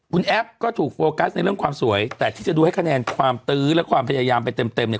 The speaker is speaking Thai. คุณแอฟก็ถูกโฟกัสในเรื่องความสวยแต่ที่จะดูให้คะแนนความตื้อและความพยายามไปเต็มเต็มเนี่ย